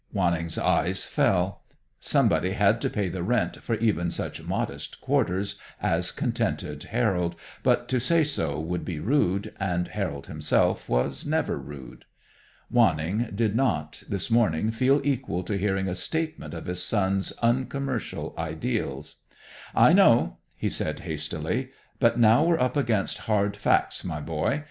Wanning's eyes fell. Somebody had to pay the rent of even such modest quarters as contented Harold, but to say so would be rude, and Harold himself was never rude. Wanning did not, this morning, feel equal to hearing a statement of his son's uncommercial ideals. "I know," he said hastily. "But now we're up against hard facts, my boy.